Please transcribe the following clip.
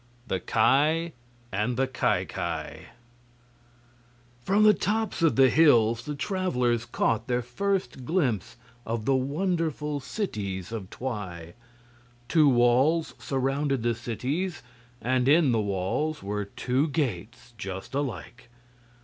The Ki and the Ki Ki From the tops of the hills the travelers caught their first glimpse of the wonderful cities of Twi. Two walls surrounded the cities, and in the walls were two gates just alike.